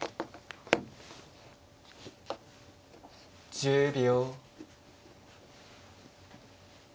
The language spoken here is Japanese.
１０秒。